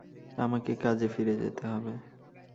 আমাকে কাজে ফিরে যেতে হবে।